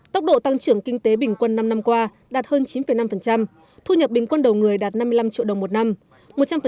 tốc độ tăng trưởng kinh tế bình quân năm năm qua đạt hơn chín năm thu nhập bình quân đầu người đạt năm mươi năm triệu đồng một năm